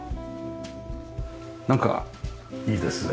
なんかいいですね。